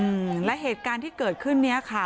อืมและเหตุการณ์ที่เกิดขึ้นเนี้ยค่ะ